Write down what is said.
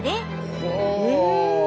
ほう！